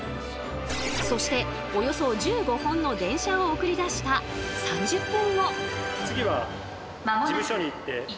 そしておよそ１５本の電車を送り出した３０分後。